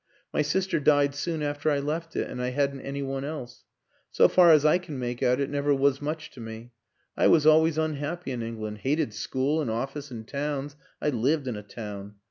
My sister died soon after I left it and I hadn't any one else. So far as I can make out it never was much to me ; I was always unhappy in England, hated school and of fice and towns I lived in a town.